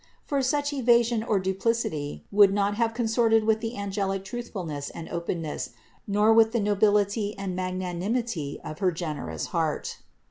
For such evasion or duplicity would not have consorted with the angelic truthfulness and openness, nor with the nobility and magnanimity of her generous heart.